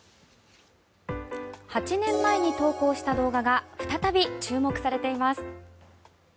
８年前に投稿した動画が再び注目されています。